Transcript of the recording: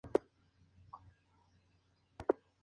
Un nuevo desarrollo de detonadores son los detonadores planos.